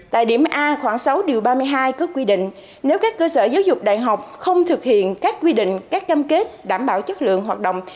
tại điểm a khoảng sáu điều ba mươi hai có quy định nếu các cơ sở giáo dục đại học không thực hiện các quy định các cam kết đảm bảo chất lượng hoạt động